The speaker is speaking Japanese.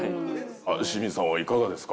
清水さんはいかがですか？